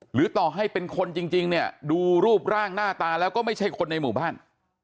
หรือต่อให้เป็นคนจริงเนี่ยดูรูปร่างหน้าตาแล้วก็ไม่ใช่คนในหมู่บ้าน